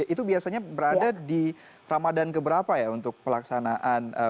itu biasanya berada di ramadhan keberapa ya untuk pelaksanaan buka puasa bersama antar masyarakat